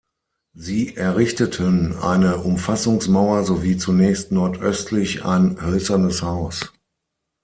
Sie errichteten eine Umfassungsmauer sowie zunächst nordöstlich ein hölzernes Haus.